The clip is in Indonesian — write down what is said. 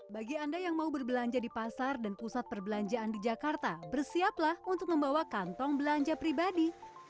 bagi anda yang mau berbelanja di pasar dan pusat perbelanjaan di jakarta bersiaplah untuk membawa kantong belanja pribadi